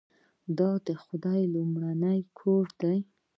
دا د خدای لومړنی کور دی.